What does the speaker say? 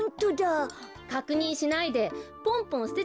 かくにんしないでポンポンすてちゃダメじゃない。